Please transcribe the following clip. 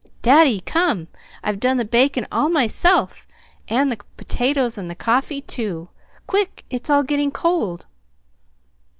"Daddy, come! I've done the bacon all myself, and the potatoes and the coffee, too. Quick, it's all getting cold!"